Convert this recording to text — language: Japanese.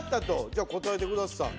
じゃあ答えてください。